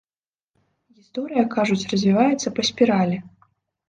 Гісторыя, кажуць, развіваецца па спіралі.